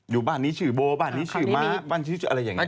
อยู่บ้านนี้ชื่อโบบ้านนี้ชื่อม้าบ้านชื่ออะไรอย่างนี้